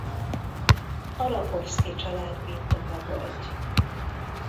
A Rakovszky család birtoka volt.